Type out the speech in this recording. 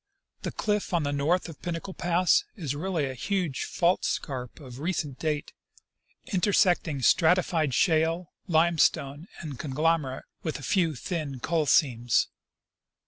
The cliff on the north of Pinnacle pass is really a huge fault scarp of recent date, intersecting stratified shale, limestone, and conglomerate, with a iew thin coal seams.